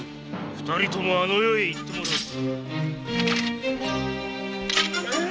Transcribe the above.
二人ともあの世へ逝ってもらう！